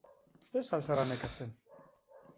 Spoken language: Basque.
Ez al zara nekatzen?